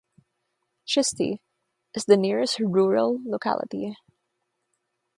Chisti is the nearest rural locality.